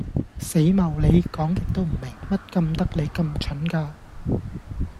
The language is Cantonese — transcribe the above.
死茂里，講極都唔明，乜甘得你甘蠢噶